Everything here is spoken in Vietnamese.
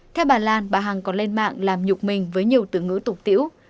theo bà lan bà hằng còn lên mạng làm nhục mình với nhiều từ ngữ tục tiễu